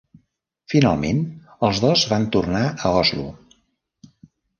Finalment els dos van tornar a Oslo.